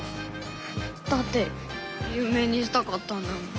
だってゆう名にしたかったんだもん。